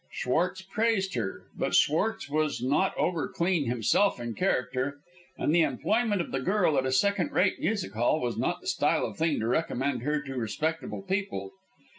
Schwartz praised her, but Schwartz was not overclean himself in character, and the employment of the girl at a second rate music hall was not the style of thing to recommend her to respectable people.